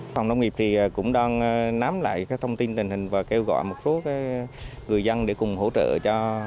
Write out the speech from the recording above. phòng nông nghiệp cũng đang nắm lại các thông tin tình hình và kêu gọi một số người dân để cùng hỗ trợ cho